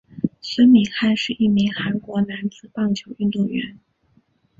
孙敏汉是一名韩国男子棒球运动员。